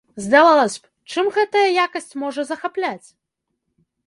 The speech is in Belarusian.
Здавалася б, чым гэтая якасць можа захапляць?